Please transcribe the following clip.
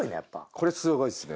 これすごいっすね。